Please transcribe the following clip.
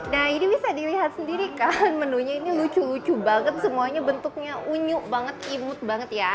nah ini bisa dilihat sendiri kan menunya ini lucu lucu banget semuanya bentuknya unyu banget imut banget ya